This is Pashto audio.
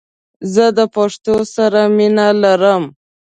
زه د پښتو سره مینه لرم🇦🇫❤️